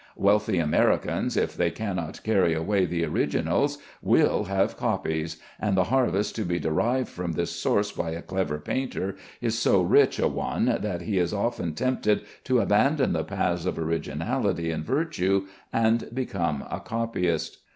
Wealthy Americans, if they cannot carry away the originals, will have copies, and the harvest to be derived from this source by a clever painter is so rich a one that he is often tempted to abandon the paths of originality and virtue, and become a copyist.